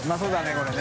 これね。